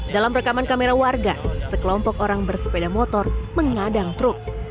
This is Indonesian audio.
dalam rekaman kamera warga sekelompok orang bersepeda motor mengadang truk